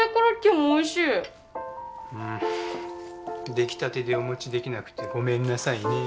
出来たてでお持ちできなくてごめんなさいね。